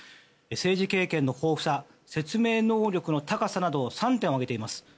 政治経験の豊富さ説明能力の高さなど３点を挙げています。